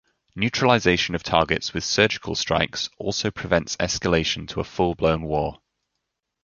Neutralization of targets with surgical strikes also prevents escalation to a full blown war.